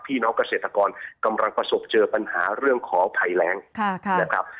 พี่น้องเกษตรกรกำลังประสบเจอปัญหาเรื่องของภัยแรงนะครับ